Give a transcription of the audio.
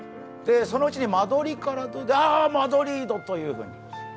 そのうちに間取りからあぁ、マドリード！というふうに。